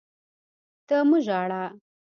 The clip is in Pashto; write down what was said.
ته مه ژاړه!